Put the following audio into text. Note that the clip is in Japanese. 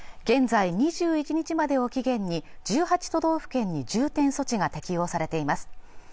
現在２１日までを期限に１８都道府県に重点措置が適用されています